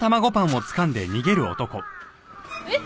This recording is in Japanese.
えっ？